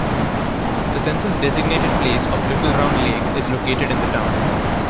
The census-designated place of Little Round Lake is located in the town.